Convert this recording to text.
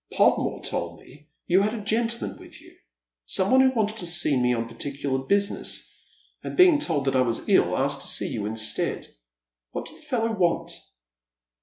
Podmore told me you had a gentleman with you. Some one who wanted to see me on particular business, and, being told that I was ill, asked to see you instead. What did the fellow want